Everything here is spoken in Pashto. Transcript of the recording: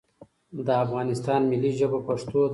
دا افغانستان ملی ژبه پښتو ده